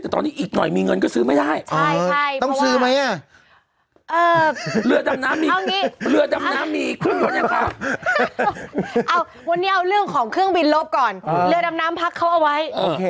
แต่ตอนนี้อีกหน่อยมีเงินก็ซื้อไม่ได้